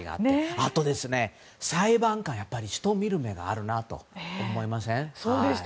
あと、裁判官が人を見る目があると思いませんか。